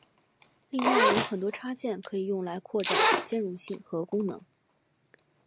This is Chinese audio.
另外有很多插件可以用来扩展兼容性和功能。